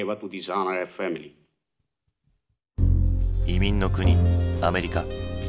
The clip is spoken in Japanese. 移民の国アメリカ。